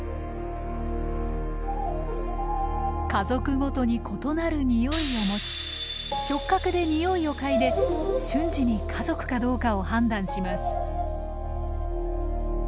家族ごとに異なるにおいを持ち触角でにおいを嗅いで瞬時に家族かどうかを判断します。